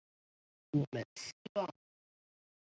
我們希望